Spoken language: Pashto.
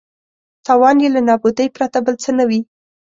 تاوان یې له نابودۍ پرته بل څه نه وي.